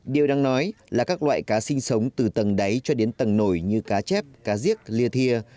điều đang nói là các loại cá sinh sống từ tầng đáy cho đến tầng nổi như cá chép cá riếc lìa thia